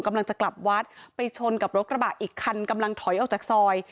กำลังจะกลับวัดไปชนกับรถกระบะอีกคันกำลังถอยออกจากซอย